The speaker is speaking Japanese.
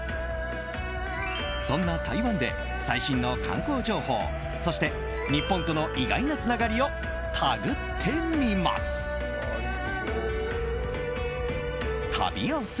そんな台湾で最新の観光情報そして日本との意外なつながりをタグってみます。